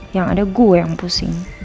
yang ada gue yang pusing